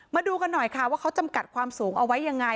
มาดูกันหน่อยค่ะว่าเขาจำกัดความสูงเอาไว้ยังไง